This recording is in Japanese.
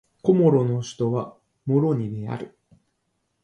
コモロの首都はモロニである